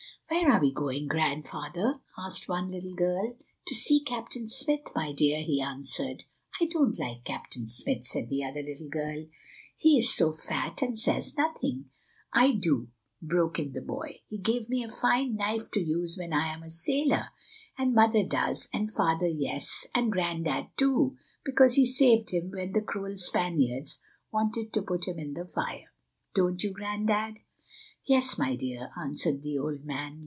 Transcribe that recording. "Where are we going, Grandfather?" asked one little girl. "To see Captain Smith, my dear," he answered. "I don't like Captain Smith," said the other little girl; "he is so fat, and says nothing." "I do," broke in the boy, "he gave me a fine knife to use when I am a sailor, and Mother does, and Father, yes, and Grandad too, because he saved him when the cruel Spaniards wanted to put him in the fire. Don't you, Grandad?" "Yes, my dear," answered the old man.